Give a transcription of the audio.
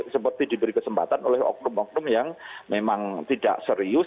seperti diberi kesempatan oleh oknum oknum yang memang tidak serius